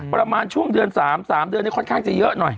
ประมาณช่วงเดือน๓๓เดือนนี้ค่อนข้างจะเยอะหน่อย